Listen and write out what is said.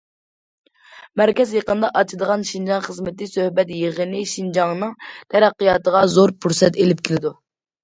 مەركەز يېقىندا ئاچىدىغان شىنجاڭ خىزمىتى سۆھبەت يىغىنى شىنجاڭنىڭ تەرەققىياتىغا زور پۇرسەت ئېلىپ كېلىدۇ.